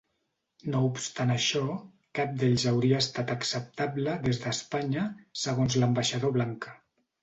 No obstant això, cap d'ells hauria estat acceptable des d'Espanya segons l'ambaixador Blanca.